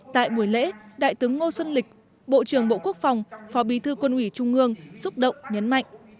tại buổi lễ đại tướng ngô xuân lịch bộ trưởng bộ quốc phòng phó bí thư quân ủy trung ương xúc động nhấn mạnh